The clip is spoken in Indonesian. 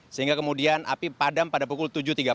sehingga kemudian api padam pada pukul tujuh tiga puluh